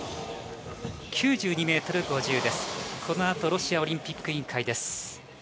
このあとロシアオリンピック委員会です。